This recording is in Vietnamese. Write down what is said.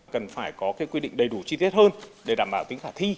cần phải có quy định đầy đủ chi tiết hơn để đảm bảo tính thả thi